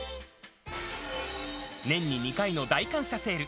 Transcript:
年に２回の大感謝セール。